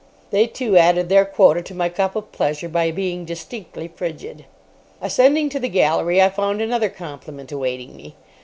They, too, added their quota to my cup of pleasure by being distinctly frigid. Ascending to the gallery I found another compliment awaiting me.